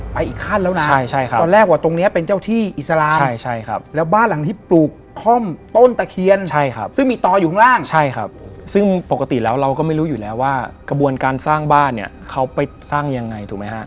ไปอีกขั้นแล้วนะใช่ครับตอนแรกว่าตรงนี้เป็นเจ้าที่อิสรามใช่ครับแล้วบ้านหลังที่ปลูกค่อมต้นตะเคียนใช่ครับซึ่งมีต่ออยู่ข้างล่างใช่ครับ